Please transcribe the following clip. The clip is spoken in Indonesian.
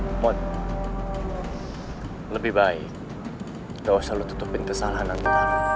mon lebih baik ga usah lu tutupin kesalahan nanti